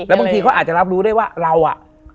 บางทีเขาอาจจะรับรู้ได้ว่าเราอ่ะ